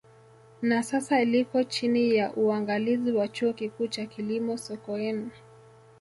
Na sasa liko chini ya uangalizi wa Chuo Kikuu cha Kilimo Sokoine